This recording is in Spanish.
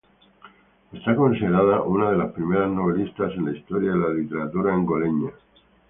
Es considerada una de las primeras novelistas en la historia de la literatura angoleña.